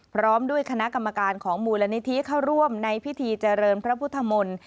พร้อมด้วยคณะกรรมการของมูลนิธิเข้าร่วมในพิธีเจริญพระพุทธมนตร์